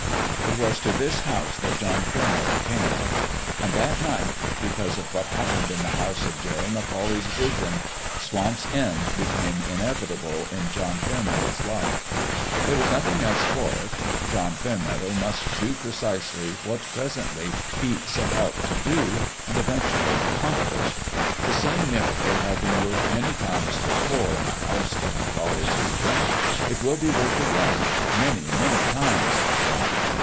It was to this house that John Fairmeadow came. And that night because of what hap pened in the house of Jerry McAuley's vision Swamp's End became inevitable in John Fair THEOLOGICAL TRAINING 167 4 meadow's life. There was nothing else for it : John Fairmeadow must do precisely what pres ently he set out to do and eventually accom plished. The same miracle had been worked many times before in the house of McAuley's vision. It will be worked again many, many times again.